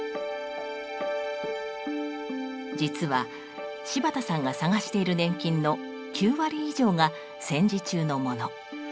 実は柴田さんが探している年金の９割以上が戦時中のもの。